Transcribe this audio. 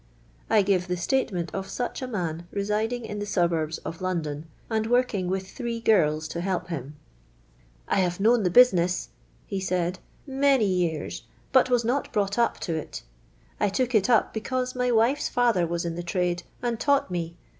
I give the state ment of such a man residing in the suburbs of London, and working with three girls to help him :—"* I have known the business,' he said, ' many years, but was not brought up to it. I took it up because my wife's father was in the trade, and taught me.